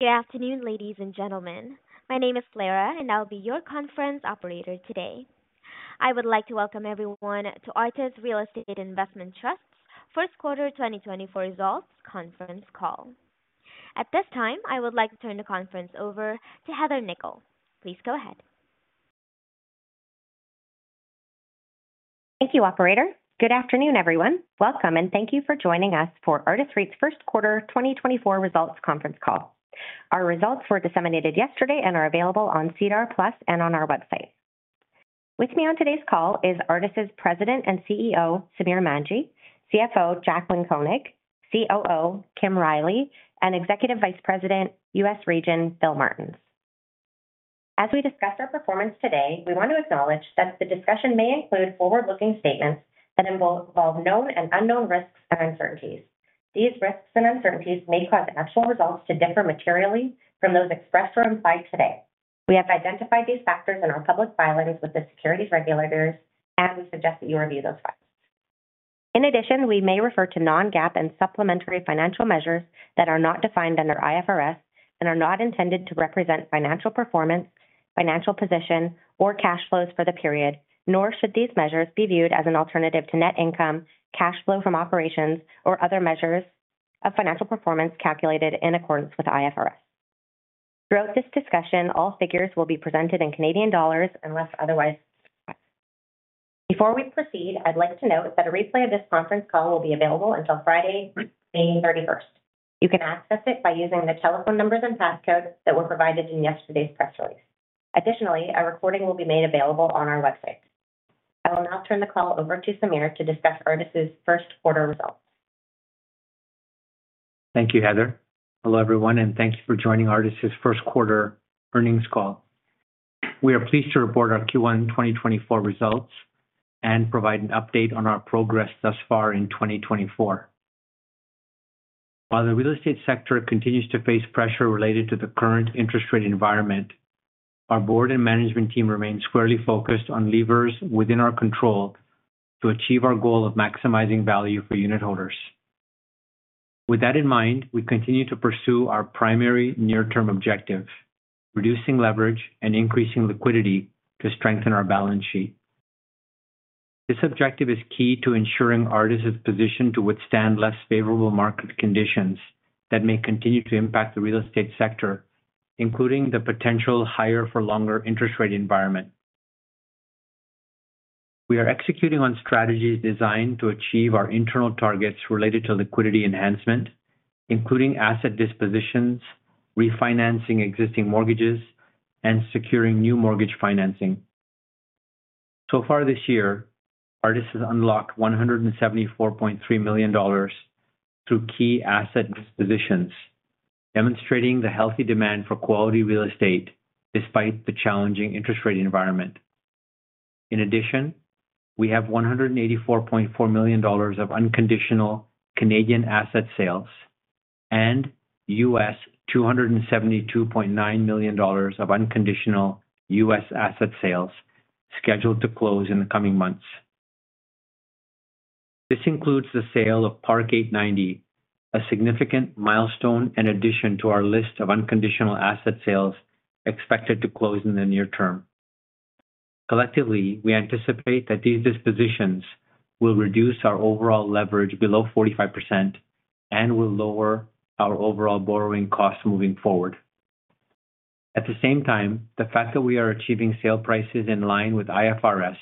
Good afternoon, ladies and gentlemen. My name is Clara, and I'll be your conference operator today. I would like to welcome everyone to Artis Real Estate Investment Trust's first quarter 2024 results conference call. At this time, I would like to turn the conference over to Heather Nikkel. Please go ahead. Thank you, operator. Good afternoon, everyone. Welcome and thank you for joining us for Artis REIT's first quarter 2024 results conference call. Our results were disseminated yesterday and are available on SEDAR+ and on our website. With me on today's call is Artis's President and CEO, Samir Manji, CFO, Jaclyn Koenig, COO, Kim Riley, and Executive Vice President, U.S. Region, Philip Martens. As we discuss our performance today, we want to acknowledge that the discussion may include forward-looking statements that involve known and unknown risks and uncertainties. These risks and uncertainties may cause actual results to differ materially from those expressed or implied today. We have identified these factors in our public filings with the securities regulators, and we suggest that you review those filings. In addition, we may refer to non-GAAP and supplementary financial measures that are not defined under IFRS and are not intended to represent financial performance, financial position, or cash flows for the period, nor should these measures be viewed as an alternative to net income, cash flow from operations, or other measures of financial performance calculated in accordance with IFRS. Throughout this discussion, all figures will be presented in Canadian dollars unless otherwise stated. Before we proceed, I'd like to note that a replay of this conference call will be available until Friday, May 31st. You can access it by using the telephone numbers and passcodes that were provided in yesterday's press release. Additionally, a recording will be made available on our website. I will now turn the call over to Samir to discuss Artis' first quarter results. Thank you, Heather. Hello, everyone, and thanks for joining Artis' first quarter earnings call. We are pleased to report our Q1 2024 results and provide an update on our progress thus far in 2024. While the real estate sector continues to face pressure related to the current interest rate environment, our board and management team remains squarely focused on levers within our control to achieve our goal of maximizing value for unit holders. With that in mind, we continue to pursue our primary near term objective, reducing leverage and increasing liquidity to strengthen our balance sheet. This objective is key to ensuring Artis is positioned to withstand less favorable market conditions that may continue to impact the real estate sector, including the potential higher for longer interest rate environment. We are executing on strategies designed to achieve our internal targets related to liquidity enhancement, including asset dispositions, refinancing existing mortgages and securing new mortgage financing. So far this year, Artis has unlocked 174.3 million dollars through key asset dispositions, demonstrating the healthy demand for quality real estate despite the challenging interest rate environment. In addition, we have 184.4 million dollars of unconditional Canadian asset sales and $272.9 million of unconditional US asset sales scheduled to close in the coming months. This includes the sale of Park 8Ninety, a significant milestone and addition to our list of unconditional asset sales expected to close in the near term. Collectively, we anticipate that these dispositions will reduce our overall leverage below 45% and will lower our overall borrowing costs moving forward. At the same time, the fact that we are achieving sale prices in line with IFRS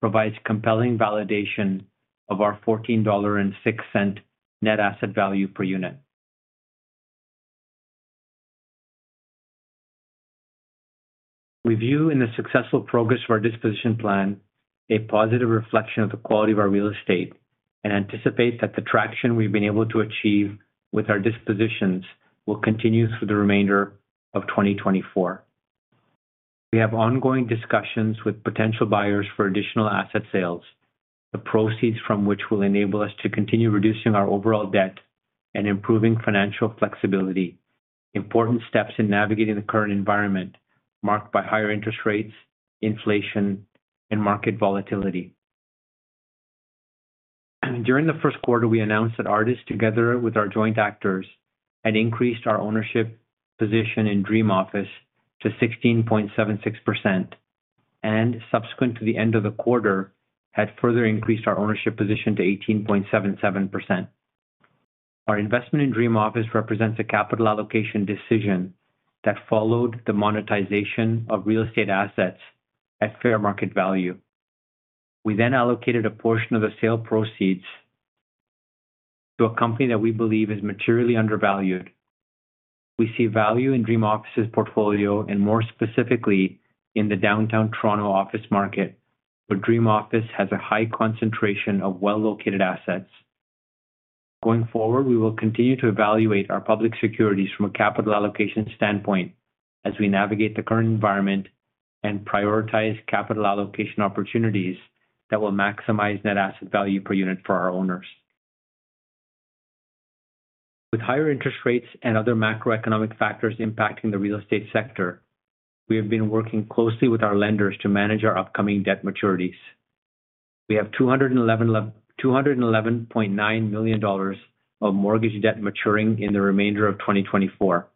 provides compelling validation of our 14.06 dollar net asset value per unit. We view in the successful progress of our disposition plan a positive reflection of the quality of our real estate and anticipate that the traction we've been able to achieve with our dispositions will continue through the remainder of 2024. We have ongoing discussions with potential buyers for additional asset sales, the proceeds from which will enable us to continue reducing our overall debt and improving financial flexibility, important steps in navigating the current environment, marked by higher interest rates, inflation, and market volatility. During the first quarter, we announced that Artis, together with our joint actors, had increased our ownership position in Dream Office to 16.76% and subsequent to the end of the quarter, had further increased our ownership position to 18.77%. Our investment in Dream Office represents a capital allocation decision that followed the monetization of real estate assets at fair market value. We then allocated a portion of the sale proceeds to a company that we believe is materially undervalued. We see value in Dream Office's portfolio and more specifically in the downtown Toronto office market, where Dream Office has a high concentration of well-located assets. Going forward, we will continue to evaluate our public securities from a capital allocation standpoint as we navigate the current environment and prioritize capital allocation opportunities that will maximize net asset value per unit for our owners. With higher interest rates and other macroeconomic factors impacting the real estate sector, we have been working closely with our lenders to manage our upcoming debt maturities. We have 211.9 million dollars of mortgage debt maturing in the remainder of 2024.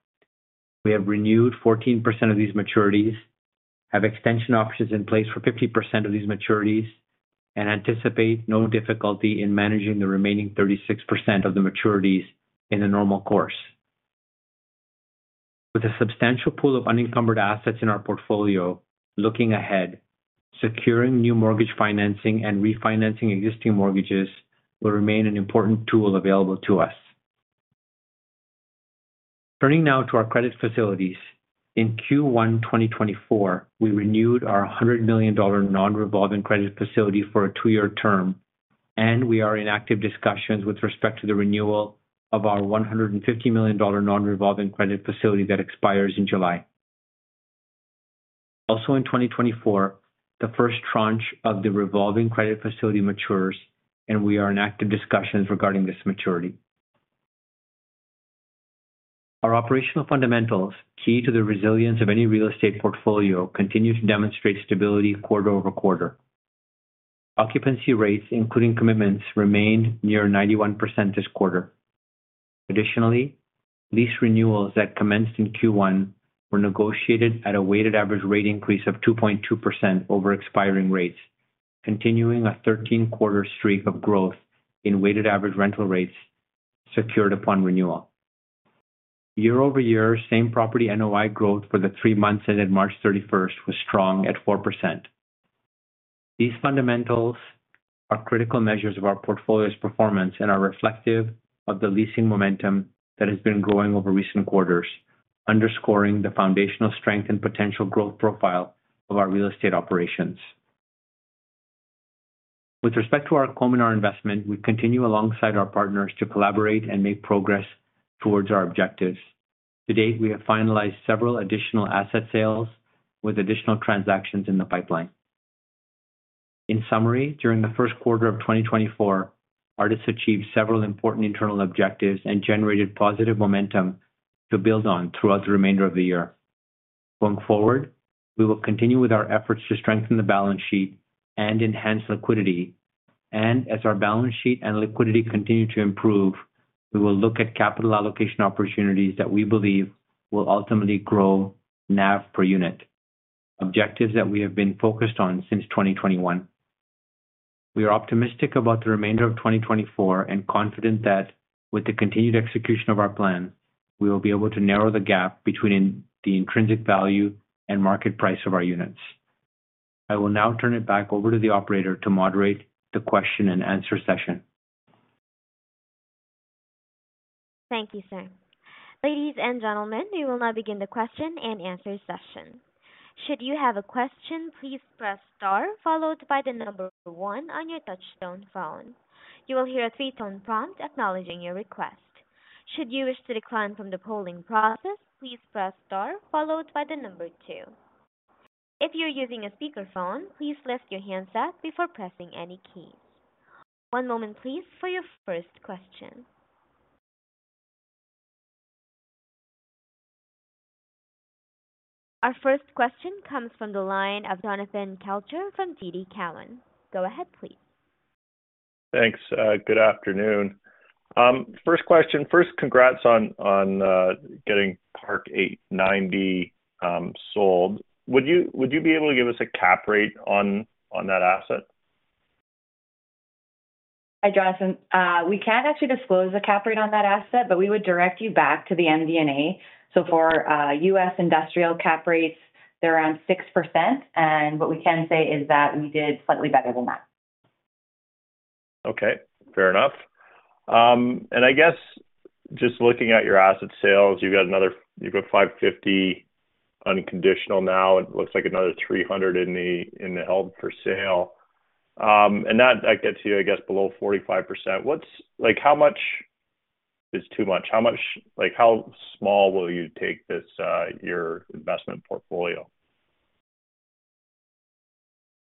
We have renewed 14% of these maturities, have extension options in place for 50% of these maturities, and anticipate no difficulty in managing the remaining 36% of the maturities in the normal course. With a substantial pool of unencumbered assets in our portfolio, looking ahead, securing new mortgage financing and refinancing existing mortgages will remain an important tool available to us. Turning now to our credit facilities. In Q1 2024, we renewed our 100 million dollar non-revolving credit facility for a 2-year term, and we are in active discussions with respect to the renewal of our 150 million dollar non-revolving credit facility that expires in July. Also, in 2024, the first tranche of the revolving credit facility matures, and we are in active discussions regarding this maturity. Our operational fundamentals, key to the resilience of any real estate portfolio, continue to demonstrate stability quarter-over-quarter. Occupancy rates, including commitments, remained near 91% this quarter. Additionally, lease renewals that commenced in Q1 were negotiated at a weighted average rate increase of 2.2% over expiring rates, continuing a 13-quarter streak of growth in weighted average rental rates secured upon renewal. Year-over-year, same-property NOI growth for the three months ended March 31st was strong at 4%. These fundamentals are critical measures of our portfolio's performance and are reflective of the leasing momentum that has been growing over recent quarters, underscoring the foundational strength and potential growth profile of our real estate operations. With respect to our Cominar investment, we continue, alongside our partners, to collaborate and make progress towards our objectives. To date, we have finalized several additional asset sales with additional transactions in the pipeline. In summary, during the first quarter of 2024, Artis achieved several important internal objectives and generated positive momentum to build on throughout the remainder of the year. Going forward, we will continue with our efforts to strengthen the balance sheet and enhance liquidity. As our balance sheet and liquidity continue to improve, we will look at capital allocation opportunities that we believe will ultimately grow NAV per unit, objectives that we have been focused on since 2021. We are optimistic about the remainder of 2024 and confident that with the continued execution of our plan, we will be able to narrow the gap between the intrinsic value and market price of our units. I will now turn it back over to the operator to moderate the question-and-answer session. Thank you, sir. Ladies and gentlemen, we will now begin the question-and-answer session. Should you have a question, please press star followed by the number one on your touchtone phone. You will hear a three-tone prompt acknowledging your request. Should you wish to decline from the polling process, please press star followed by the number two. If you're using a speakerphone, please lift your handset before pressing any keys. One moment, please, for your first question. Our first question comes from the line of Jonathan Kelcher from TD Cowen. Go ahead, please. Thanks, good afternoon. First question. First, congrats on getting Park 8Ninety sold. Would you be able to give us a cap rate on that asset? Hi, Jonathan. We can actually disclose the cap rate on that asset, but we would direct you back to the MD&A. So for US industrial cap rates, they're around 6%, and what we can say is that we did slightly better than that. Okay, fair enough. And I guess just looking at your asset sales, you've got another—you've got 550 unconditional now. It looks like another 300 in the, in the held for sale. And that, that gets you, I guess, below 45%. What's—like, how much is too much? How much—like, how small will you take your investment portfolio?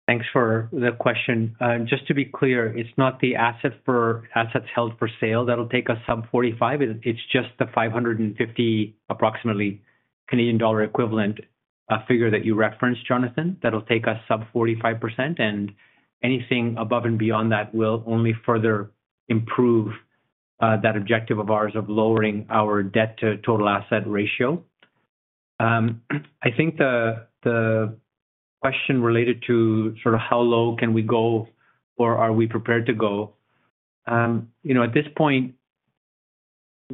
Thanks for the question. Just to be clear, it's not the asset for assets held for sale that'll take us sub 45. It's just the 550, approximately, CAD Canadian dollar equivalent figure that you referenced, Jonathan, that'll take us sub 45%, and anything above and beyond that will only further improve that objective of ours of lowering our debt to total asset ratio. I think the question related to sort of how low can we go or are we prepared to go, you know, at this point,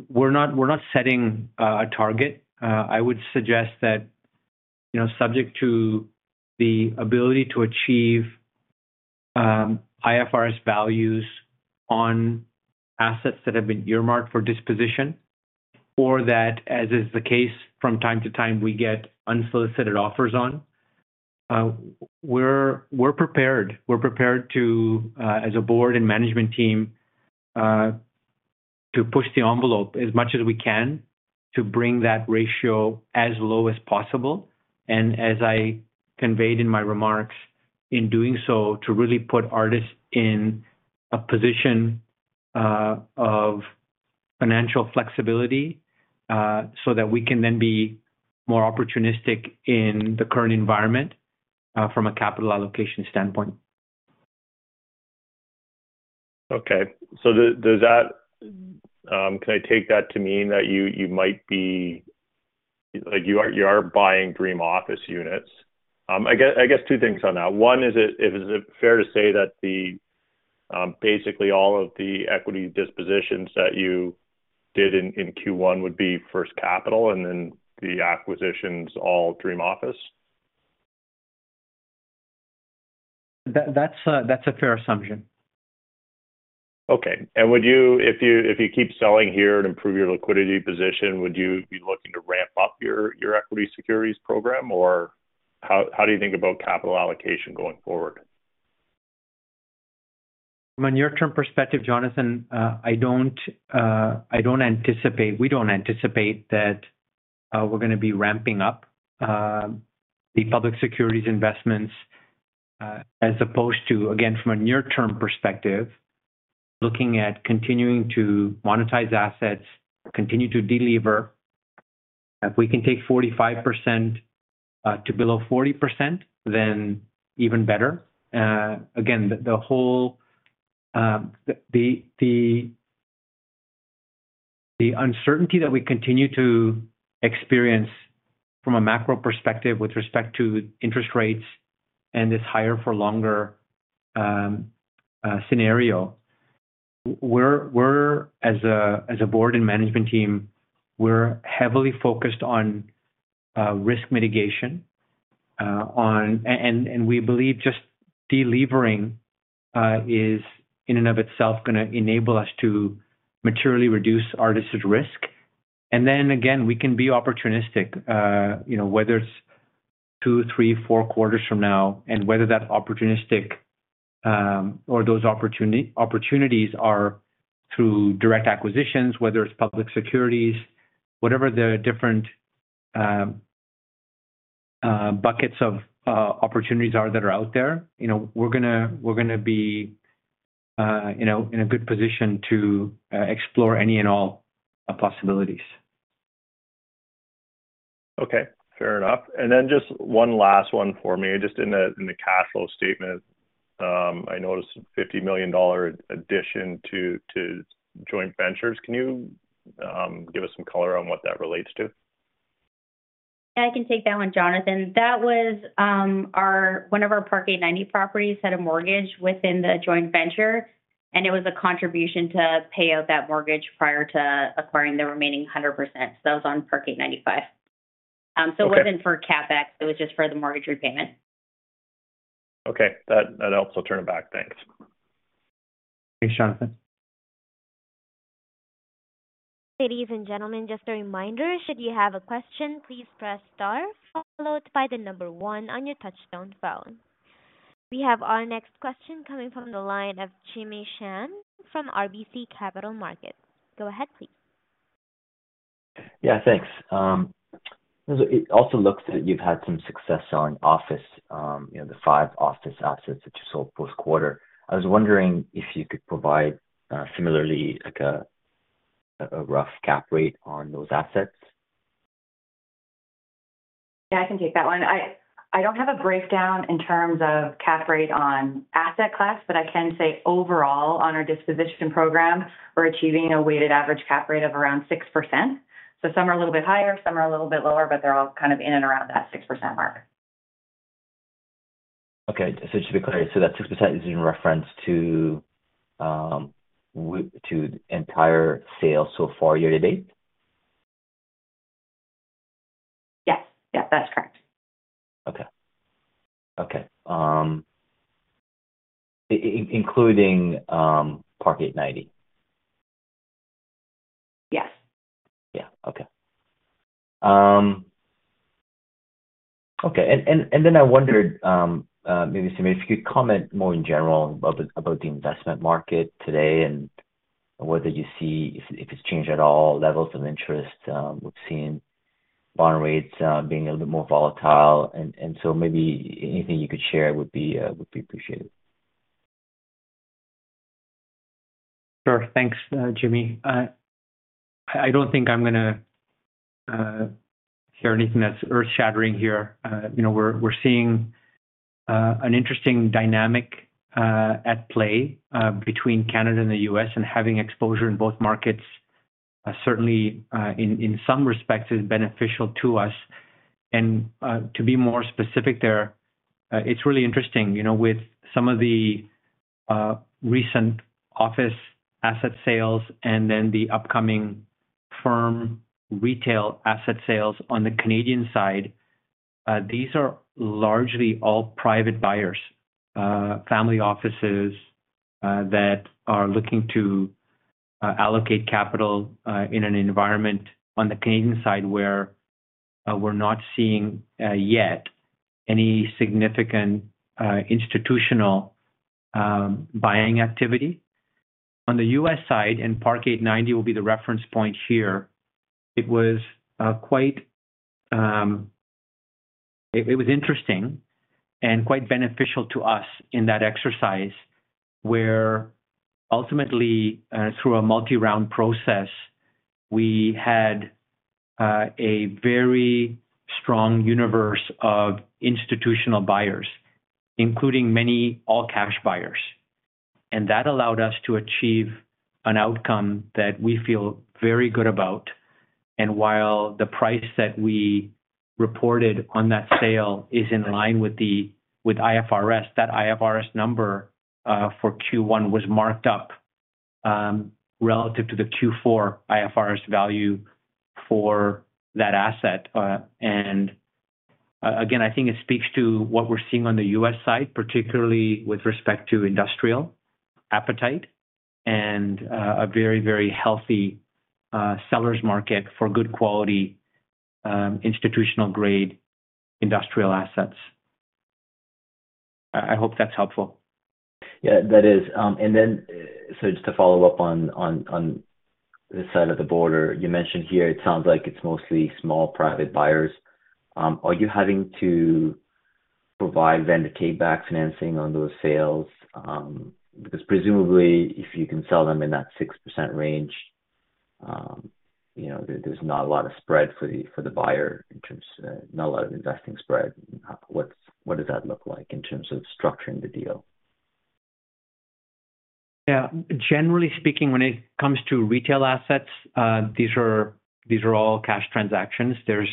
we're not setting a target. I would suggest that, you know, subject to the ability to achieve IFRS values on assets that have been earmarked for disposition or that, as is the case from time to time, we get unsolicited offers on, we're prepared. We're prepared to, as a board and management team, to push the envelope as much as we can to bring that ratio as low as possible. And as I conveyed in my remarks, in doing so, to really put Artis in a position of financial flexibility, so that we can then be more opportunistic in the current environment, from a capital allocation standpoint. Okay. So, can I take that to mean that you might be, like, you are buying Dream Office units? I guess two things on that. One, is it fair to say that basically all of the equity dispositions that you did in Q1 would be First Capital and then the acquisitions, all Dream Office? That's a fair assumption. Okay. And would you, if you, if you keep selling here to improve your liquidity position, would you be looking to ramp up your, your equity securities program, or how, how do you think about capital allocation going forward? From a near-term perspective, Jonathan, I don't anticipate—we don't anticipate that we're gonna be ramping up the public securities investments, as opposed to, again, from a near-term perspective, looking at continuing to monetize assets, continue to delever. If we can take 45% to below 40%, then even better. Again, the whole uncertainty that we continue to experience from a macro perspective with respect to interest rates and this higher for longer scenario, we're as a board and management team heavily focused on risk mitigation, on and we believe just delevering is in and of itself gonna enable us to materially reduce our stated risk. Again, we can be opportunistic, you know, whether it's 2, 3, 4 quarters from now, and whether that opportunistic or those opportunity, opportunities are through direct acquisitions, whether it's public securities. Whatever the different buckets of opportunities are that are out there, you know, we're gonna, we're gonna be, you know, in a good position to explore any and all possibilities. Okay, fair enough. And then just one last one for me. Just in the cash flow statement, I noticed a 50 million dollar addition to joint ventures. Can you give us some color on what that relates to? I can take that one, Jonathan. That was our... One of our Park 8Ninety properties had a mortgage within the joint venture, and it was a contribution to pay out that mortgage prior to acquiring the remaining 100%. So that was on Park 8Ninety V. So it wasn't- Okay. -for CapEx. It was just for the mortgage repayment. Okay. That, that helps. I'll turn it back. Thanks. Thanks, Jonathan. Ladies and gentlemen, just a reminder, should you have a question, please press star followed by the number one on your touchtone phone. We have our next question coming from the line of Jimmy Shan from RBC Capital Markets. Go ahead, please. Yeah, thanks. It also looks that you've had some success selling office, you know, the 5 office assets that you sold post-quarter. I was wondering if you could provide, similarly, like a rough cap rate on those assets. Yeah, I can take that one. I don't have a breakdown in terms of cap rate on asset class, but I can say overall, on our disposition program, we're achieving a weighted average cap rate of around 6%. So some are a little bit higher, some are a little bit lower, but they're all kind of in and around that 6% mark. Okay. So just to be clear, so that 6% is in reference to, to the entire sale so far, year to date? Yes. Yeah, that's correct. Okay. Okay. Including, Park 8Ninety? Yes. Yeah. Okay. Okay, and then I wondered, maybe, Samir, if you could comment more in general about the investment market today and whether you see if it's changed at all, levels of interest. We've seen bond rates being a little bit more volatile, and so maybe anything you could share would be appreciated. Sure. Thanks, Jimmy. I don't think I'm gonna share anything that's earth-shattering here. You know, we're seeing an interesting dynamic at play between Canada and the U.S., and having exposure in both markets certainly in some respects is beneficial to us. And to be more specific there, it's really interesting, you know, with some of the recent office asset sales and then the upcoming from retail asset sales on the Canadian side. These are largely all private buyers, family offices, that are looking to allocate capital in an environment on the Canadian side, where we're not seeing yet any significant institutional buying activity. On the U.S. side, and Park 8Ninety will be the reference point here, it was quite... It was interesting and quite beneficial to us in that exercise, where ultimately, through a multi-round process, we had a very strong universe of institutional buyers, including many all-cash buyers. And that allowed us to achieve an outcome that we feel very good about. And while the price that we reported on that sale is in line with the, with IFRS, that IFRS number for Q1 was marked up relative to the Q4 IFRS value for that asset. And again, I think it speaks to what we're seeing on the U.S. side, particularly with respect to industrial appetite and a very, very healthy seller's market for good quality institutional grade industrial assets. I hope that's helpful. Yeah, that is. And then, so just to follow up on this side of the border. You mentioned here it sounds like it's mostly small, private buyers. Are you having to provide vendor take-back financing on those sales? Because presumably, if you can sell them in that 6% range, you know, there's not a lot of spread for the buyer in terms, not a lot of investing spread. What does that look like in terms of structuring the deal? Yeah. Generally speaking, when it comes to retail assets, these are all cash transactions. There's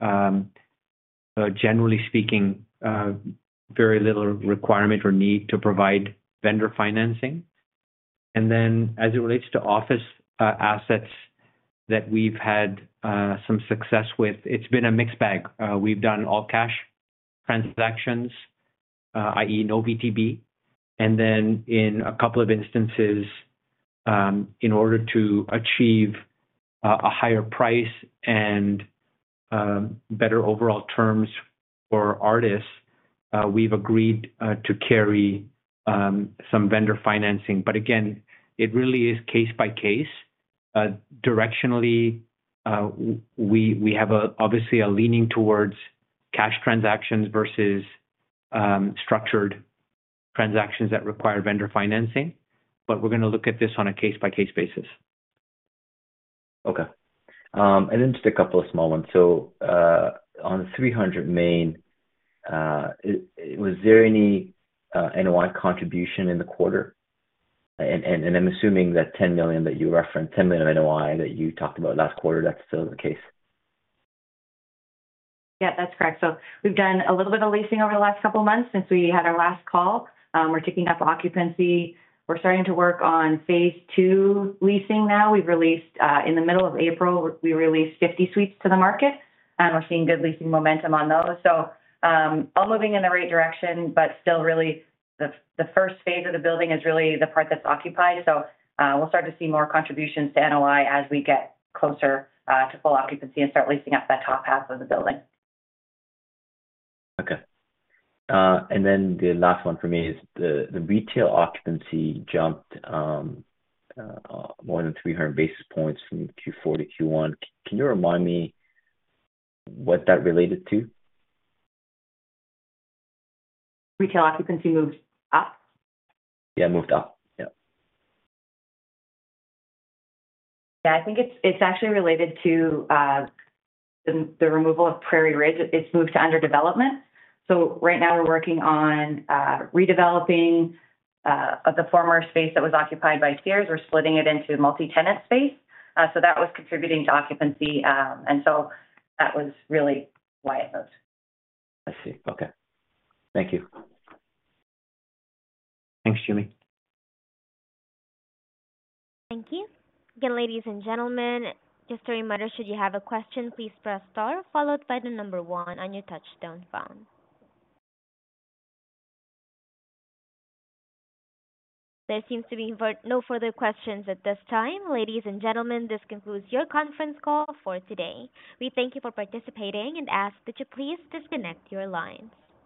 generally speaking very little requirement or need to provide vendor financing. And then, as it relates to office assets that we've had some success with, it's been a mixed bag. We've done all-cash transactions, i.e., no VTB. And then, in a couple of instances, in order to achieve a higher price and better overall terms for Artis, we've agreed to carry some vendor financing. But again, it really is case by case. Directionally, we have obviously a leaning towards cash transactions versus structured transactions that require vendor financing, but we're going to look at this on a case-by-case basis. Okay. And then just a couple of small ones. So, on the 300 Main, was there any NOI contribution in the quarter? And I'm assuming that 10 million that you referenced, 10 million NOI that you talked about last quarter, that's still the case. Yeah, that's correct. So we've done a little bit of leasing over the last couple of months since we had our last call. We're ticking up occupancy. We're starting to work on phase two leasing now. We've released, in the middle of April, we released 50 suites to the market, and we're seeing good leasing momentum on those. So, all moving in the right direction, but still really, the first phase of the building is really the part that's occupied. So, we'll start to see more contributions to NOI as we get closer to full occupancy and start leasing up that top half of the building. Okay. And then the last one for me is the retail occupancy jumped more than 300 basis points from Q4 to Q1. Can you remind me what that related to? Retail occupancy moved up? Yeah, moved up. Yeah. Yeah, I think it's actually related to the removal of Prairie Ridge. It's moved to under development. So right now we're working on redeveloping the former space that was occupied by Sears. We're splitting it into multi-tenant space. So that was contributing to occupancy. And so that was really why it moved. I see. Okay. Thank you. Thanks, Jimmy. Thank you. Again, ladies and gentlemen, just a reminder, should you have a question, please press star followed by the number one on your touchtone phone. There seems to be no further questions at this time. Ladies and gentlemen, this concludes your conference call for today. We thank you for participating and ask that you please disconnect your lines.